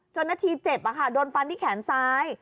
นาทีเจ็บโดนฟันที่แขนซ้าย